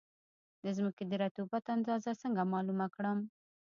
د ځمکې د رطوبت اندازه څنګه معلومه کړم؟